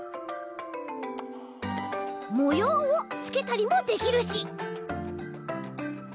もようをつけたりもできるし。